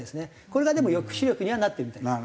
これがでも抑止力にはなってるみたいです。